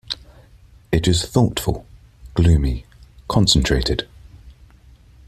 It is thoughtful, gloomy, concentrated.